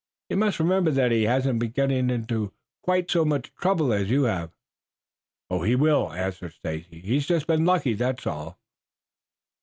"You must remember that he hasn't been getting into quite so much trouble as you have." "He will," answered Stacy. "He's just been lucky, that's all."